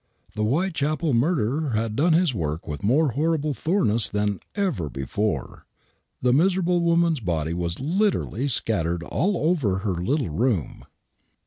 The Whitechapel murderer had done his work with more horrible thoroughness than ever before. The miserable woman's body was literally scattered all over her little room.